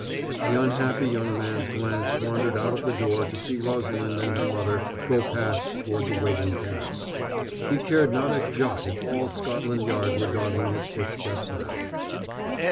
The unhappy young man's glance wandered out of the door to see Rosalind and her mother go past towards a waiting cab. He cared not a jot if all Scotland Yard were dogging his footsteps now.